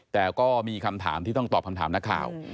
แต่ก็มีคำถามที่ต้องตอบคำถามนักข่าว